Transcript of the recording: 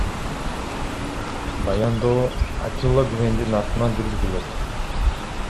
Баяндоо Атилла Гүвендин атынан жүргүзүлөт.